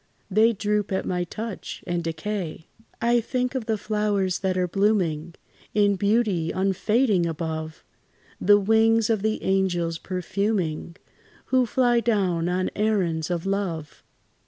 They droop at my touch, and decay. I think of the flowers, that are blooming In beauty unfading above, The wings of the angels perfuming, Who fly down on errands of love.